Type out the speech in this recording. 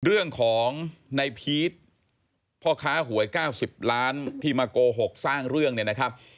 เรื่องของในพีชพ่อค้าหวย๙๐ล้านที่มาโกหกสร้างเรื่องเนี่ยนะครับ